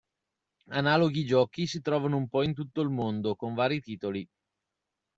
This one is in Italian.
Analoghi giochi si ritrovano un po' in tutto il mondo, con vari titoli.